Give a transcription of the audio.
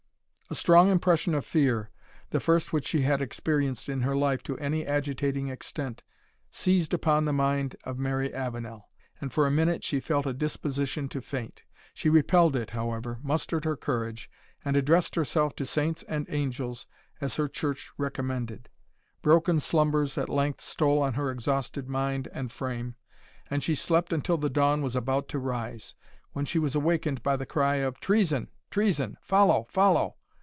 A strong impression of fear, the first which she had experienced in her life to any agitating extent, seized upon the mind of Mary Avenel, and for a minute she felt a disposition to faint. She repelled it, however, mustered her courage, and addressed herself to saints and angels, as her church recommended. Broken slumbers at length stole on her exhausted mind and frame, and she slept until the dawn was about to rise, when she was awakened by the cry of "Treason! treason! follow, follow!"